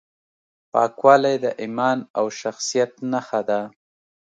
پاکوالی د ایمان او شخصیت نښه ده.